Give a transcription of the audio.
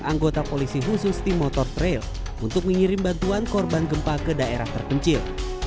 anggota polisi khusus tim motor trail untuk mengirim bantuan korban gempa ke daerah terpencil